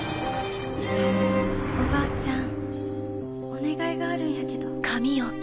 おばあちゃんお願いがあるんやけど。